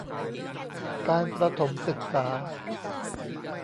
การประถมศึกษา